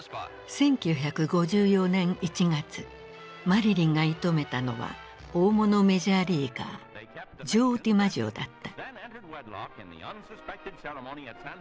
１９５４年１月マリリンが射止めたのは大物メジャーリーガージョー・ディマジオだった。